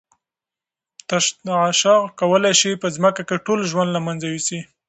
تشعشع کولای شي په ځمکه کې ټول ژوند له منځه یوسي.